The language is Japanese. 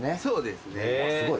すごい。